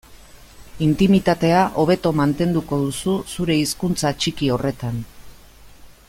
Intimitatea hobeto mantenduko duzu zure hizkuntza txiki horretan.